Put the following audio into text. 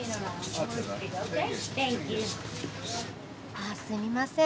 あっすみません。